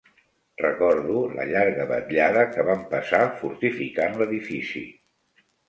Recordo la llarga vetllada que vam passar fortificant l'edifici